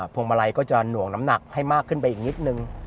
พวงมาลัยก็จะหน่วงน้ำหนักให้มากขึ้นไปอีกนิดนึง